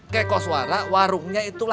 kayak koswara warungnya itu lah ya